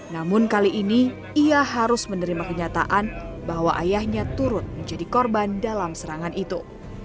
namun kali ini ia harus menerima kenyataan bahwa ayahnya turut menjadi korban dalam serangan itu